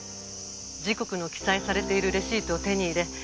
時刻の記載されているレシートを手に入れ